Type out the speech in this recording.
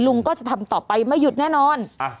ลุงก็จะทำต่อไปไม่หยุดแน่นอน